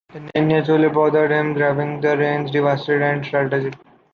The Niña Chole bothered him grabbing the reins, devastated and tragic.